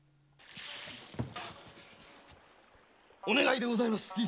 お願いでございます！